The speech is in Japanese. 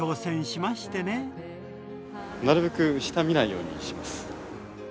なるべく下見ないようにします。